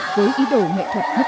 với ý đồ nghệ thuật hấp dịch